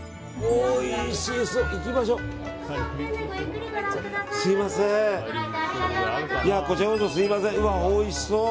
おいしそう。